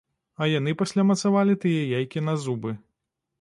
А яны пасля мацавалі тыя яйкі на зубы.